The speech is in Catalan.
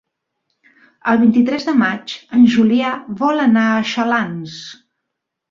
El vint-i-tres de maig en Julià vol anar a Xalans.